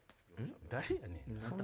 誰やねん？